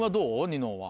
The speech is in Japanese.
ニノは。